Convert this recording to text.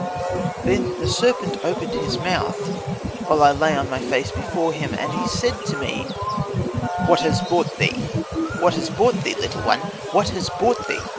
"Then he opened his mouth, while that I lay on my face before him, and he said to me, 'What has brought thee, what has brought thee, little one, what has brought thee?